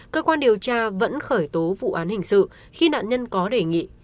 cơ quan điều tra vẫn khởi tố vụ án hình sự khi nạn nhân có đề nghị